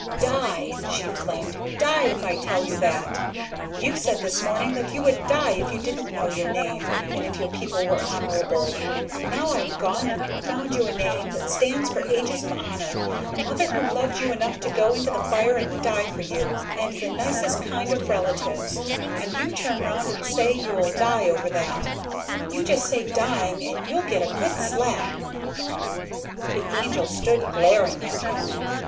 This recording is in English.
"Die!" she flamed. "Die, if I tell you that! You said this morning that you would die if you DIDN'T know your name, and if your people were honorable. Now I've gone and found you a name that stands for ages of honor, a mother who loved you enough to go into the fire and die for you, and the nicest kind of relatives, and you turn round and say you'll die over that! YOU JUST TRY DYING AND YOU'LL GET A GOOD SLAP!" The Angel stood glaring at him.